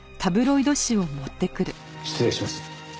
失礼します。